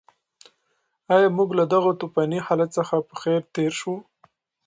ایا موږ له دغه توپاني حالت څخه په خیر تېر شوو؟